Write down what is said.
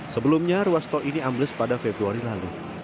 sebelumnya ruas tol ini ambles pada februari lalu